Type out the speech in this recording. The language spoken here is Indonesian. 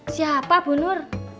siapa bu nur